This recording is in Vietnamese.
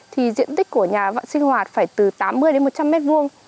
thì diện tích của nhà vạn sinh hoạt phải từ tám mươi đến một trăm linh mét vuông